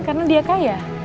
karena dia kaya